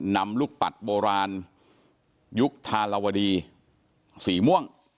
นำลูกปัดโบราณยุคธารวดีสีม่วง